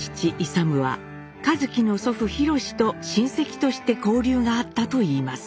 勇は一輝の祖父廣と親戚として交流があったといいます。